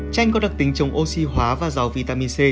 tranh có đặc tính chống oxy hóa và giàu vitamin c